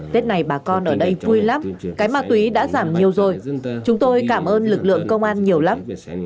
tết này bà con ở đây vui lắm cái ma túy đã giảm nhiều rồi chúng tôi cảm ơn lực lượng công an nhiều lắm